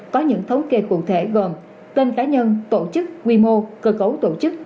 có những thống kê cụ thể gồm tên cá nhân tổ chức quy mô cơ cấu tổ chức